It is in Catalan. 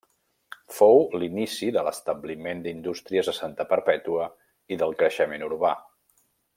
Fou l'inici de l'establiment d'indústries a Santa Perpètua i del creixement urbà.